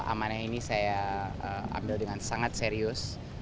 amanah ini saya ambil dengan sangat serius